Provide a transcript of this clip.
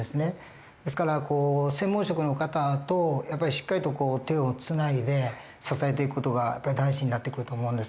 ですから専門職の方とやっぱりしっかりと手をつないで支えていく事が大事になってくると思うんです。